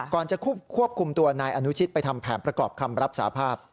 ก่อนจะควบคุมตัวนายอนุชิตไปทำแผนประกอบคำรับสาภาพ